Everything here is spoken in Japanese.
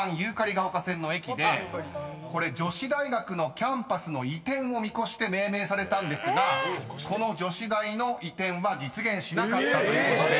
［これ女子大学のキャンパスの移転を見越して命名されたんですがこの女子大の移転は実現しなかったということで］